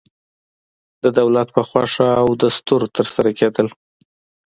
د دولت په خوښه او دستور ترسره کېدل.